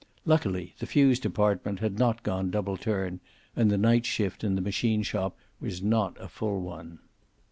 Luckily the fuse department had not gone double turn, and the night shift in the machine shop was not a full one.